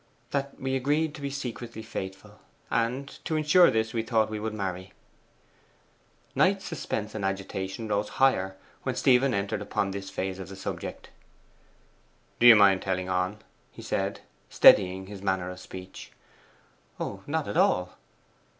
'That we agreed to be secretly faithful. And to insure this we thought we would marry.' Knight's suspense and agitation rose higher when Stephen entered upon this phase of the subject. 'Do you mind telling on?' he said, steadying his manner of speech. 'Oh, not at all.